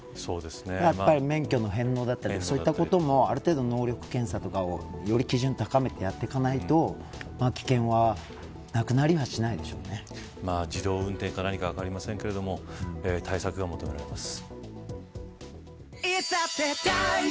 やっぱり免許の返納だったりそういったこともある程度、能力検査とかをより基準を高めてやっていかないと危険は自動運転が何か分かりませんけれども対策が求められます。